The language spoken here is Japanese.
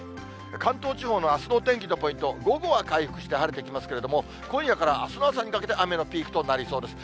関東地方のあすのお天気のポイント、午後は回復して晴れてきますけれども、今夜からあすの朝にかけて雨のピークとなりそうです。